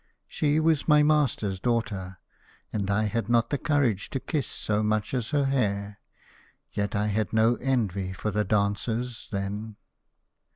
She was my master's daughter, and I had not the courage to kiss so much as her hair. Yet I had no envy for the dancers, then.